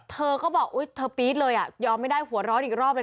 เธอก็บอกอุ๊ยเธอปี๊ดเลยอ่ะยอมไม่ได้หัวร้อนอีกรอบเลย